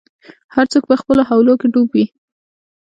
هر څوک به خپلو حولو کي ډوب وي